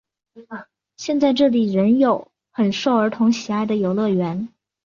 现在这里仍有很受儿童喜爱的游乐园。